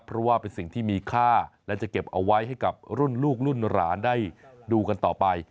เพราะว่าเป็นสิ่งที่มีค่าและจะเก็บเอาไว้ให้กับรุ่นลูกรุ่นหลานได้ดูกันต่อไป